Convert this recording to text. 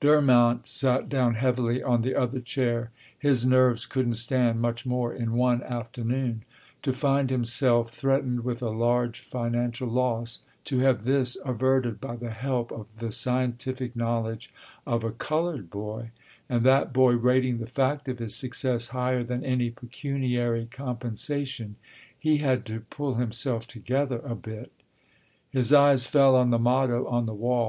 Durmont sat down heavily on the other chair; his nerves couldn't stand much more in one afternoon. To find himself threatened with a large financial loss; to have this averted by the help of the scientific knowledge of a colored boy, and that boy rating the fact of his success higher than any pecuniary compensation he had to pull himself together a bit. His eyes fell on the motto on the wall.